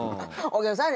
お客さん